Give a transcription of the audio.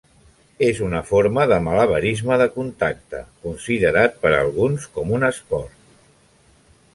És una forma de malabarisme de contacte, considerat per alguns com un esport.